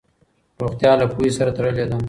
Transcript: روغتیا له پوهې سره تړلې ده.